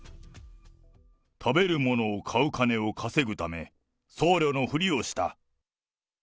食べるものを買う金を稼ぐため、僧侶のふりをした。